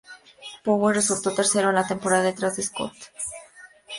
Power resultó tercero en la temporada detrás de Scott Dixon y Juan Pablo Montoya.